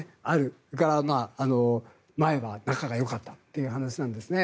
それから、前は仲がよかったという話なんですね。